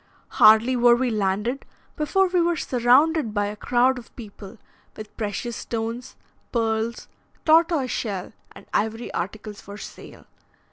Hardly were we landed before we were surrounded by a crowd of people with precious stones, pearls, tortoiseshell, and ivory articles for sale.